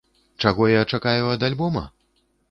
Чаго я чакаю ад альбома?